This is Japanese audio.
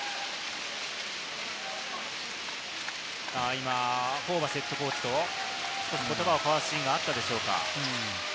今、ホーバスＨＣと言葉を交わすシーンがあったでしょうか。